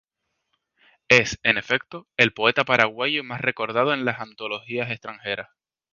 Es, en efecto, el poeta paraguayo más recordado en las antologías extranjeras.